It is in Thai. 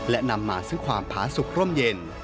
และนำมาซึ่งความผาสุขร่มเย็น